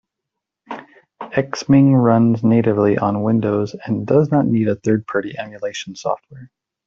Xming runs natively on Windows and does not need any third-party emulation software.